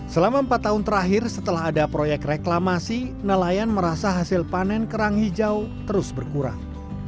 selama empat tahun terakhir setelah ada proyek reklamasi nelayan merasa hasil panen kerang hijau terus berkurang